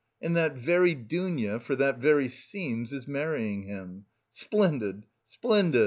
And that very Dounia for that very 'seems' is marrying him! Splendid! splendid!